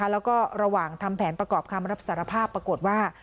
แล้วก็ระหว่างทำแผนประกอบคำรับสารภาพปรากฏว่า